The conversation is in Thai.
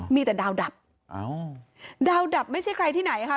มีแต่ดาวดับดาวดับไม่ใช่ใครที่ไหนค่ะ